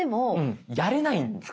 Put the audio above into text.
やれないんですよ。